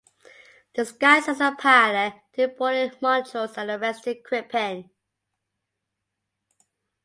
Disguised as a pilot, Dew boarded "Montrose" and arrested Crippen.